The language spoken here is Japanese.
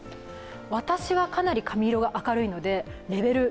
私はかなり髪色が明るいのでレベル